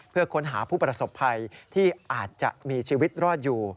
เพื่อค้นหาผู้ประสบภัยที่อาจจะมีชีวิตรอดอยู่